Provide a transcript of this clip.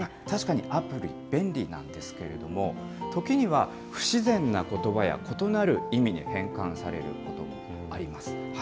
確かにアプリ、便利なんですけれども、時には、不自然なことばや異なる意味に変換されることがあります。